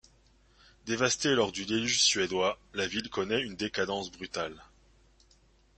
Dévastée lors du Déluge suédois, la ville connaît une décadence brutale.